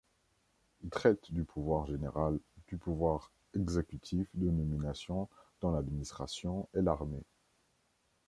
Il traite du pouvoir général du pouvoir exécutif de nomination dans l'administration et l'armée.